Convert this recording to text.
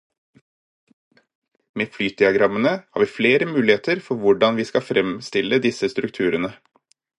Med flytdiagrammene har vi flere muligheter for hvordan vi skal fremstille disse strukturene.